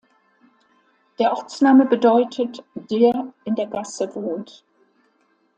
Der Ortsname bedeutet "der in der Gasse wohnt".